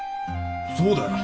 そうだよ。